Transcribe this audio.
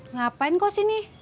ngapain kau sini